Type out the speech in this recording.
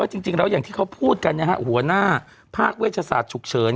จริงแล้วอย่างที่เขาพูดกันนะฮะหัวหน้าภาคเวชศาสตร์ฉุกเฉิน